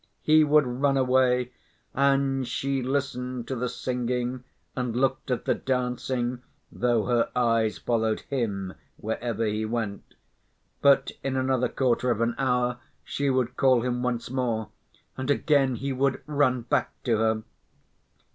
He would run away, and she listened to the singing and looked at the dancing, though her eyes followed him wherever he went. But in another quarter of an hour she would call him once more and again he would run back to her.